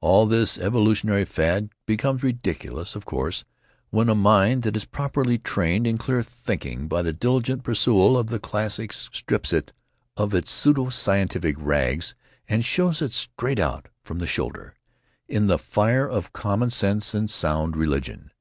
"All this evolutionary fad becomes ridiculous, of course, when a mind that is properly trained in clear thinking by the diligent perusal of the classics strips it of its pseudo scientific rags and shows it straight out from the shoulder, in the fire of common sense and sound religion.